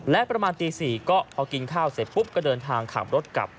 และประมาณตี๔ก็พอกินข้าวเสร็จปุ๊บก็เดินทางขับรถกลับ